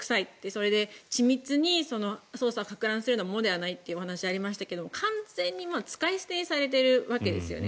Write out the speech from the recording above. それで緻密に捜査をかく乱するものではないというお話がありましたが完全に使い捨てにされているわけですよね。